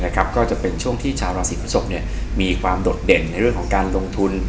ก็จะเป็นช่วงที่ชาวราศีพฤศพมีความโดดเด่นในเรื่องของการลงทุน